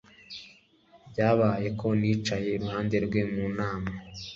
Byabaye ko nicaye iruhande rwe mu nama